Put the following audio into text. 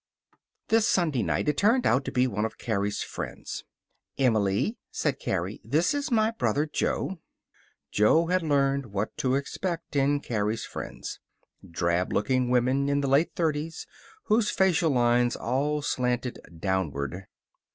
This Sunday night it turned out to be one of Carrie's friends. "Emily," said Carrie, "this is my brother, Jo." Jo had learned what to expect in Carrie's friends. Drab looking women in the late thirties, whose facial lines all slanted downward.